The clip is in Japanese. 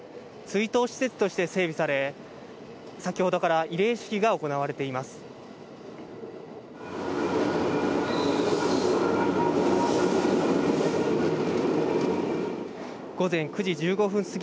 追悼施設として整備され、先ほどから慰霊式が行われています。